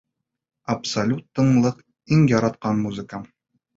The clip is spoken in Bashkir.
Абсолют тынлыҡ — иң яратҡан музыкам.